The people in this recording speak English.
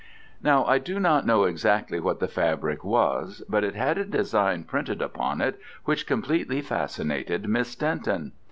Now, I do not know exactly what the fabric was; but it had a design printed upon it, which completely fascinated Miss Denton.